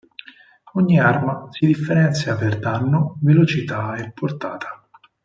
Ogni arma si differenzia per danno, velocità e portata.